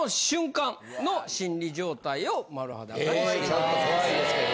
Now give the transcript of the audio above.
えちょっと怖いですけどね。